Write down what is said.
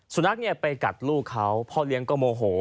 สุนัขเนี่ยไปกัดลูกเขาพ่อเลี้ยงก็โมโห